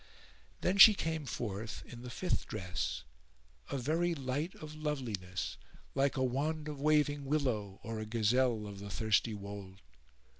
Then she came forth in the fifth dress, a very light of loveliness like a wand of waving willow or a gazelle of the thirsty wold.